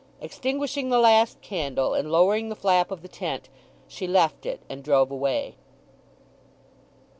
Extinguishing the last candle, and lowering the flap of the tent, she left it, and drove away.